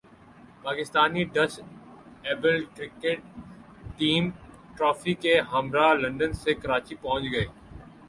Pakistani disabled cricket team trophy کے ہمراہ London سے کراچی پہنچ گئی